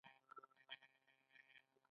ایا جوش شوې اوبه پاکې دي؟